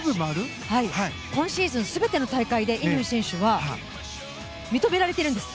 今シーズン全ての大会で乾選手は認められているんです。